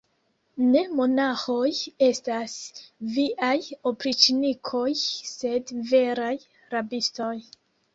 Ne monaĥoj estas viaj opriĉnikoj, sed veraj rabistoj.